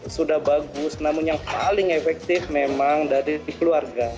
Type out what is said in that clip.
sudah bagus namun yang paling efektif memang dari keluarga